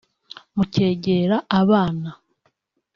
mukegera abana